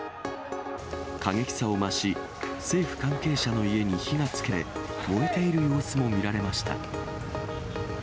過激さを増し、政府関係者の家に火がつけられ、燃えている様子も見られました。